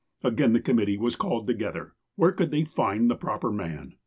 Again tlie committee was called together. ^Yhere could they ilnd the proper man?